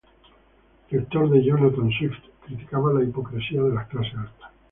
Lector de Jonathan Swift, criticaba la hipocresía de las clases altas.